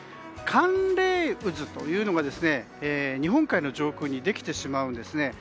寒冷渦というのが日本海の上空にできてしまうんですね。